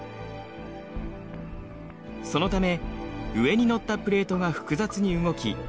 そのため上に載ったプレートが複雑に動き